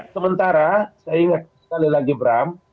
sementara saya ingat sekali lagi bram